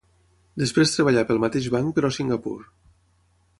Després treballà pel mateix banc però a Singapur.